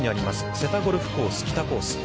瀬田ゴルフコース・北コース。